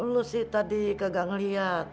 lu sih tadi kagak ngeliat